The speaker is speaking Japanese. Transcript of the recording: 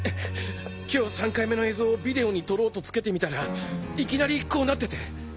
今日３回目の映像をビデオに撮ろうとつけてみたらいきなりこうなってて。